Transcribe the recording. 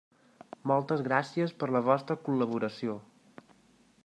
Moltes gràcies per la vostra col·laboració.